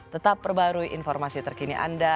tetap perbarui informasi terkini anda